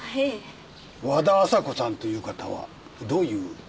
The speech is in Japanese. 和田朝子さんという方はどういう？